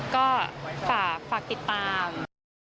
ก็ฝากติดตาม